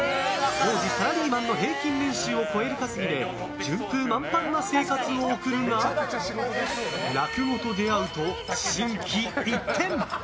当時、サラリーマンの平均年収を超える稼ぎで順風満帆な生活を送るが落語と出会うと、心機一転。